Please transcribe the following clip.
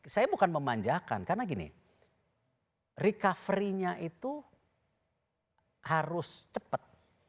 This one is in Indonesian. saya bukan memanjakan karena gini recovery nya itu harus cepat